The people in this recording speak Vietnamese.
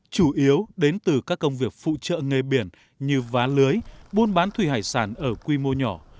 chủ yếu đến từ các công việc phụ trợ nghề biển như vá lưới buôn bán thủy hải sản ở quy mô nhỏ